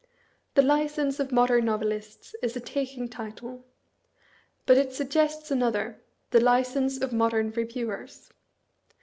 The license of Modern Novelists is a taking title. But it suggests another, the License of Modern Eeviewers.